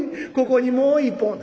ここにもう一本」。